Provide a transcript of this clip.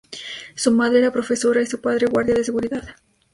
Su madre era profesora y su padre guardia de seguridad.